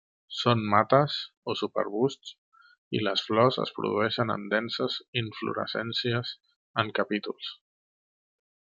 Són mates o subarbusts i les flors es produeixen en denses inflorescències en capítols.